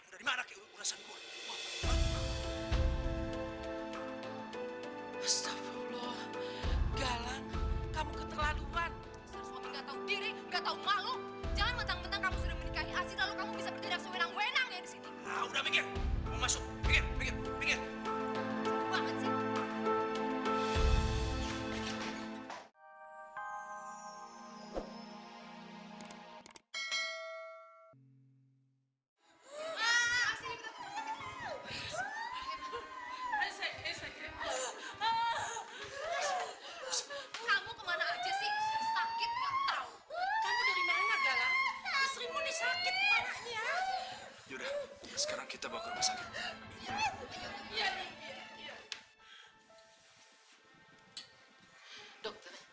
bagaimana keadaan anak saya dok apa sakitnya dok apa sakitnya parah dokter